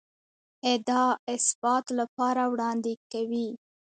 ادعا اثبات لپاره وړاندې کوي.